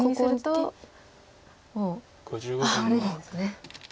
もう取られるんですね。